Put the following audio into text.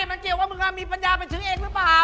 มันเกี่ยวกับมึงค่ะมีปัญญาเป็นชื้อเอกหรือเปล่า